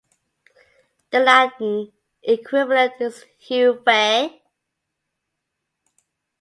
The Latin equivalent is heu, vae!